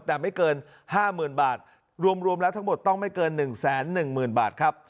แต่ไม่เกิน๕หมื่นบาทรวมแล้วทั้งหมดต้องไม่เกิน๑แสน๑หมื่นบาท